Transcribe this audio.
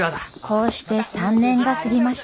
こうして３年が過ぎました。